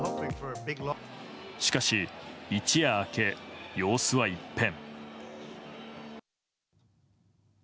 しかし一夜明け、様子は一変。